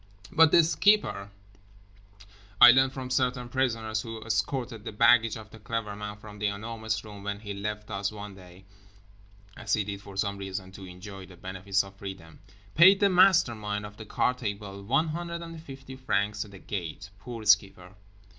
But The Skipper, I learned from certain prisoners who escorted the baggage of The Clever Man from The Enormous Room when he left us one day (as he did for some reason, to enjoy the benefits of freedom), paid the mastermind of the card table 150 francs at the gate—poor Skipper!